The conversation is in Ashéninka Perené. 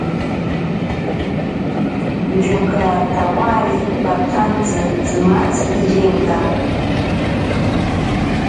Yoka tawari watsanti tsimatzi iyenka.